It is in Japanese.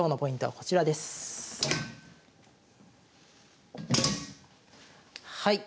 はい。